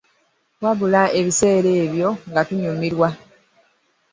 Wabula ebiseera ebyo nga tunyumirwa.